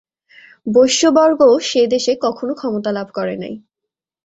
বৈশ্যবর্গও সে দেশে কখনও ক্ষমতা লাভ করে নাই।